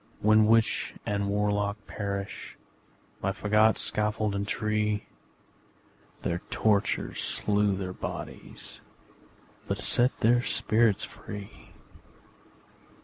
When witch and warlock perished By fagot, scaffold and tree, Their tortures slew their bodies But set their spirits free!